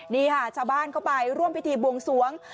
นี่ค่ะชาวบ้านเข้าไปร่วมพิธีบวงสวง